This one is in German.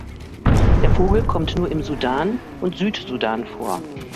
Der Vogel kommt nur im Sudan und Südsudan vor.